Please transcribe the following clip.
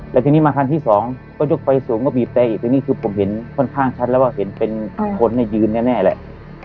แล้วทีนี้มาคันที่สองก็ยกไฟสูงก็บีบแต่อีกทีนี้คือผมเห็นค่อนข้างชัดแล้วว่าเห็นเป็นคนยืนแน่แหละ